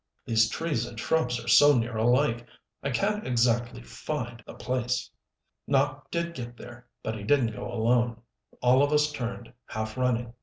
These trees and shrubs are so near alike. I can't exactly find the place." Nopp did get there, but he didn't go alone. All of us turned, half running.